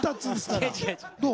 どう？